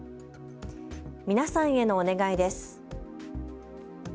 皆さんへのお願いです。